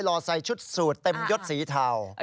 ระหว่างชายเสื้อม่วงร่างถวม